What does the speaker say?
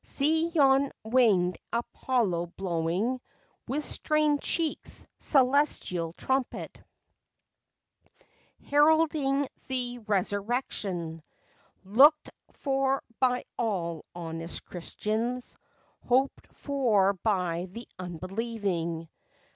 See yon winged Apollo blowing, With strained cheeks, celestial trumpet, Heralding the resurrection, Looked for by all honest Christians! Hoped for by the unbelieving!